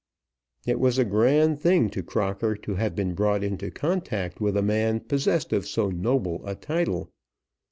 It was a grand thing to Crocker to have been brought into contact with a man possessed of so noble a title.